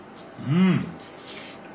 うん！